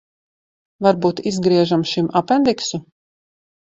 Varbūt izgriežam šim apendiksu?